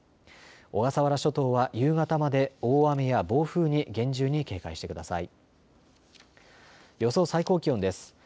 小笠原諸島は夕方まで大雨や暴風に厳重に警戒してください。